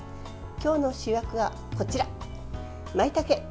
今日の主役はこちら、まいたけ。